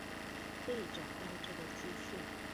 可以找到這個資訊